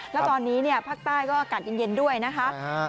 แล้วตอนนี้เนี่ยภาคใต้ก็อากาศเย็นด้วยนะคะ